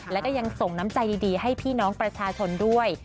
แล้วก็ยังส่งน้ำใจดีให้พี่น้องประชาชนด้วย